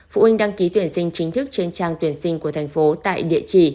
phụ huynh đăng ký tuyển sinh chính thức trên trang tuyển sinh của tp hcm tại địa chỉ